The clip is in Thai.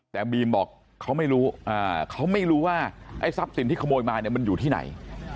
แต่บีมบอกเขาไม่รู้เขาไม่รู้ว่าไอ้ทรัพย์สินที่ขโมยมาเนี่ยมันอยู่ที่ไหน